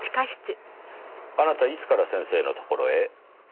あなたいつから先生のところへ？